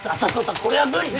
これは無理っす。